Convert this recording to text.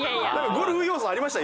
ゴルフ要素ありました？